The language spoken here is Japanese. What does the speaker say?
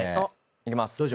いきます。